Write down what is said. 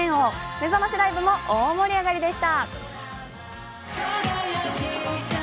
めざましライブも大盛り上がりでした。